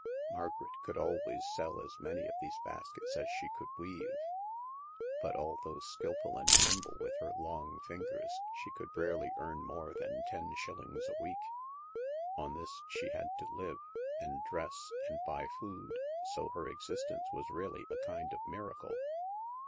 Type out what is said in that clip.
Margaret could always sell as many of these baskets as she could weave ; but, although skilful and nimble with her long fingers, she could rarely earn more than ten shillings a week. On this she had to live, and dress, and buy food, so her existence was really a kind of miracle.